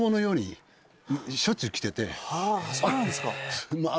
・そうなんですか？